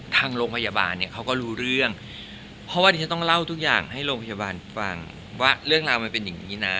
ทางโรงพยาบาลเนี่ยเขาก็รู้เรื่องเพราะว่าดิฉันต้องเล่าทุกอย่างให้โรงพยาบาลฟังว่าเรื่องราวมันเป็นอย่างนี้นะ